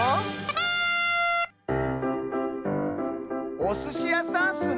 おすしやさんスね！